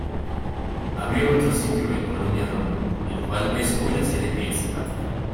Abrió otro sito en Colonia Roma, el cual es hoy la sede principal.